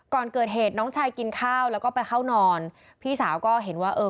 ก่อนเกิดเหตุน้องชายกินข้าวแล้วก็ไปเข้านอนพี่สาวก็เห็นว่าเออ